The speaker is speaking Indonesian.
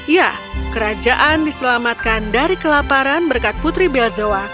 ya kerajaan diselamatkan dari kelaparan berkat putri belazoa